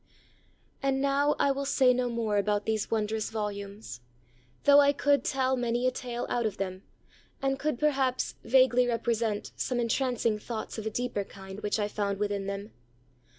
And now I will say no more about these wondrous volumes; though I could tell many a tale out of them, and could, perhaps, vaguely represent some entrancing thoughts of a deeper kind which I found within them.